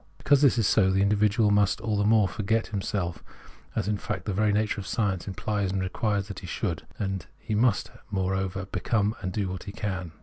Because this is so, the individual must all the more forget him self, as in fact the very nature of science implies and requires that he should ; and he must, moreover, become and do what he can.